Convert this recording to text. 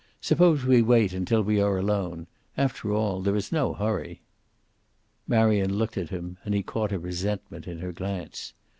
"Suppose we wait until we are alone. After all, there is no hurry." Marion looked at him, and he caught a resentment in her glance.